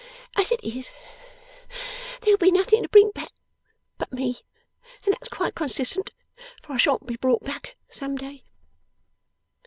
As it is, there'll be nothing to bring back but me, and that's quite consistent, for I shan't be brought back, some day!